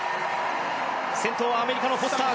先頭はアメリカのフォスター。